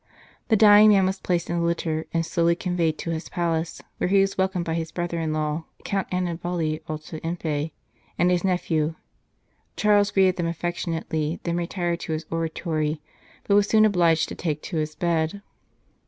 The dying man was placed in a litter and slowly conveyed to his palace, where he was welcomed by his brother in law, Count Annibali Alta Empe, and his nephew. Charles greeted them affectionately, then retired to his oratory, but was soon obliged to take to his bed.